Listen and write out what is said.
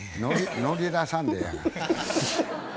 乗り出さんでええやがな。